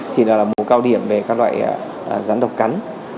thì là mùa cao điểm về các loại rắn độc cắn